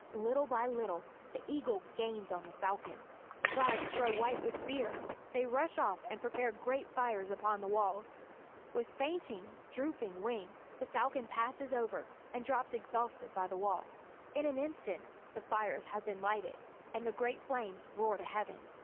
Little by little the eagle gains on the falcon. The gods grow white with fear; they rush off and prepare great fires upon the walls. With fainting, drooping wing the falcon passes over and drops exhausted by the wall. In an instant the fires have been lighted, and the great flames roar to heaven.